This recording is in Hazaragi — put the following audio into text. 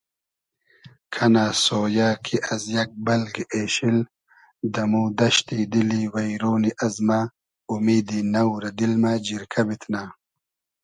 کئنۂ سۉیۂ کی از یئگ بئلگی اېشیل دئمو دئشتی دیلی وݷرۉنی ازمۂ اومیدی نۆ رۂ دیل مۂ جیرکۂ بیتنۂ